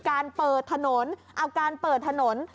การเปิดถนนเอาการเปิดถนน